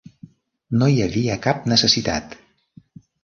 No hi havia cap necessitat.